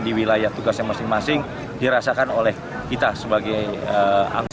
di wilayah tugasnya masing masing dirasakan oleh kita sebagai anggota